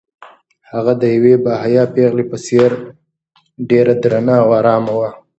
هغه د یوې باحیا پېغلې په څېر ډېره درنه او ارامه وه.